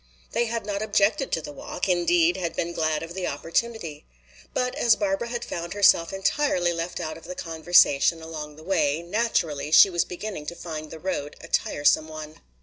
They had not objected to the walk; indeed, had been glad of the opportunity. But as Barbara had found herself entirely left out of the conversation along the way, naturally she was beginning to find the road a tiresome one.